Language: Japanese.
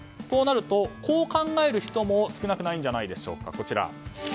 そうなると、こう考える人も少なくないんじゃないでしょうか。